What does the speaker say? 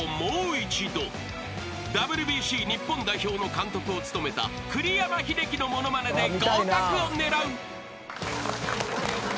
［ＷＢＣ日本代表の監督を務めた栗山英樹のものまねで合格を狙う］